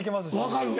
分かる。